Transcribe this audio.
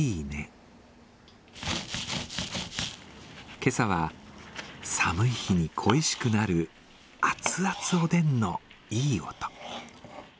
今朝は寒い日に恋しくなる熱々おでんのいい音。